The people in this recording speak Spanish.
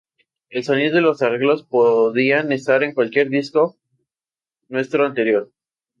El sonido y los arreglos podían estar en cualquier disco nuestro anterior.